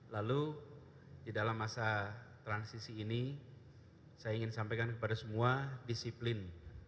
lalu di dalam masa transisi ini saya ingin sampaikan kepada semua disiplin